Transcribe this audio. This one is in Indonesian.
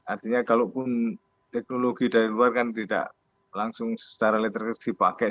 artinya kalaupun teknologi dari luar kan tidak langsung secara literalis dipakai